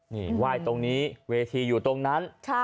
นี่ไหว้ตรงนี้เวทีอยู่ตรงนั้น